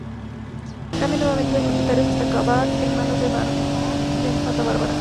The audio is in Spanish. Cambia nuevamente de propietarios hasta acabar en manos del Barón de Santa Bárbara.